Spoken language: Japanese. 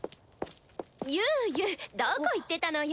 ユウユどこ行ってたのよ！